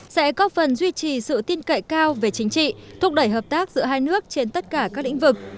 sẽ góp phần duy trì sự tin cậy cao về chính trị thúc đẩy hợp tác giữa hai nước trên tất cả các lĩnh vực